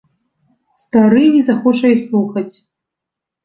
Стары не захоча й слухаць.